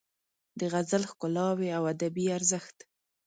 د غزل ښکلاوې او ادبي ارزښت